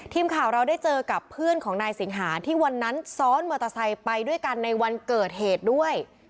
ทีมข่าวเราได้เจอกับเพื่อนของนายสิงหาที่วันนั้นซ้อนมอเตอร์ไซค์ไปด้วยกันในวันเกิดเหตุด้วย